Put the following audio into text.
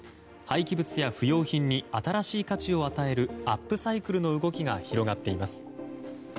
廃棄物や不用品に新しい価値を与えるアップサイクルの動きが広がっています。